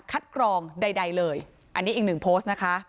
คัดกรองใดเลยอันนี้อีก๑โพสต์นะค่ะ